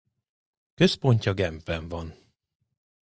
Központja Genfben van.